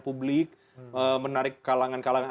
publik menarik kalangan kalangan